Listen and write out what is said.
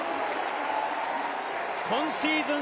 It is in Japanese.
今シーズン